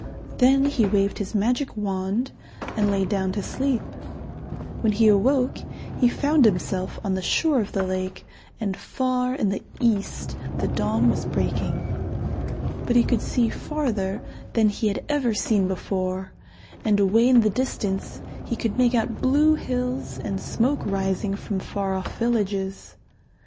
Then he waved his magic wand and lay down to sleep. When he awoke, he found himself on the shore of the lake, and far in the east the dawn was breaking. But he could see farther than he had ever seen before, and away in the distance he could make out blue hills and smoke rising from far off villages.